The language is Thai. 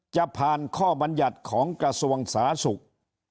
จะผ่านข้อบรรยัติของกระทรวงสาธารณสุข